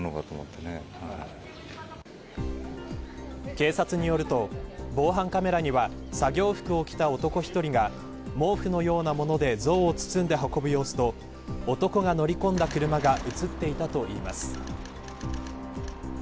警察によると防犯カメラには作業服を着た男１人が毛布のようなもので像を包んで運ぶ様子と男が乗り込んだ車が映っていたといいます。